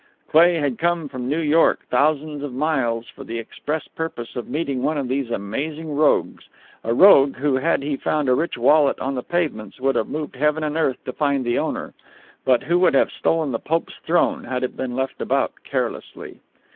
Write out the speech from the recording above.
Cleigh had come from New York, thousands of miles, for the express purpose of meeting one of these amazing rogues a rogue who, had he found a rich wallet on the pavements, would have moved heaven and earth to find the owner, but who would have stolen the Pope's throne had it been left about carelessly.